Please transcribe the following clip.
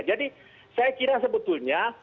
jadi saya kira sebetulnya